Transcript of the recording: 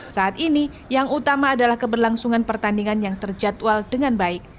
saat ini yang utama adalah keberlangsungan pertandingan yang terjadwal dengan baik